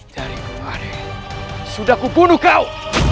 dari kemarin sudah kubunuh kau